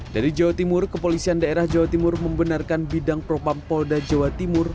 dari jawa timur kepolisian daerah jawa timur membenarkan bidang propam polda jawa timur